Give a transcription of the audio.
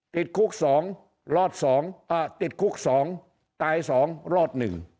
ติดคุก๒ตาย๒รอด๑